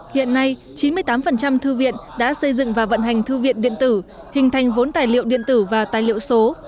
hiện nay chín mươi tám thư viện đã xây dựng và vận hành thư viện điện tử hình thành vốn tài liệu điện tử và tài liệu số